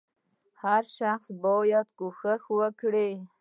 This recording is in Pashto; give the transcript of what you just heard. • هر شخص باید کوښښ وکړي.